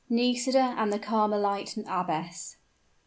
NISIDA AND THE CARMELITE ABBESS.